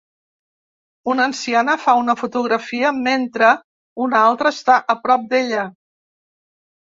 Una anciana fa una fotografia mentre una altra està a prop d'ella.